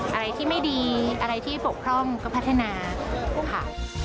อะไรที่ไม่ดีอะไรที่ปกพร่องก็พัฒนาค่ะ